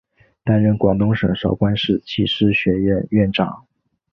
担任广东省韶关市技师学院院长。